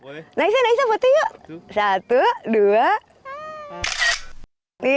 boleh nisa nisa foto yuk satu dua hai